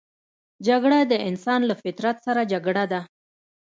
جګړه د انسان له فطرت سره جګړه ده